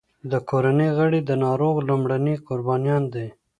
د کورنۍ غړي د ناروغ لومړني قربانیان دي.